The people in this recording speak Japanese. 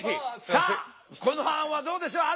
さあこの案はどうでしょう？